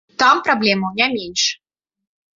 Там праблемаў не менш.